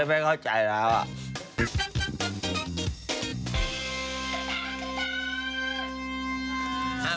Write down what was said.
ไม่เข้าใจแล้วอ่ะ